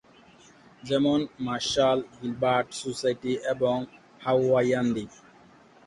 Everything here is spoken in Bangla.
যেমন- মার্শাল, গিলবার্ট, সোসাইটি, এবং হাওয়াইয়ান দ্বীপ।